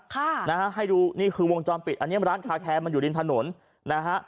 ค่ะนะฮะให้ดูนี่คือวงจรปิดอันนี้ร้านคาแคร์มันอยู่ริมถนนนะฮะ